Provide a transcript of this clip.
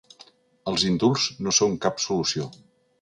Els indults no són cap solució.